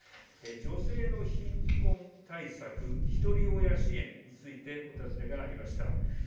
女性の貧困対策、ひとり親支援についてお尋ねがありました。